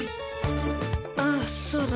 ああそうだね。